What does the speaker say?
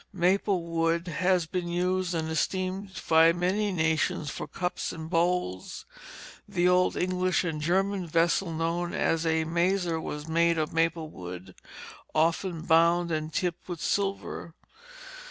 Maple wood has been used and esteemed by many nations for cups and bowls. The old English and German vessel known as a mazer was made of maple wood, often bound and tipped with silver.